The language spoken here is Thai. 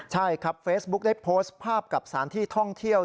ใช่ครับเฟซบุ๊กได้โพสต์ภาพกับสถานที่ท่องเที่ยว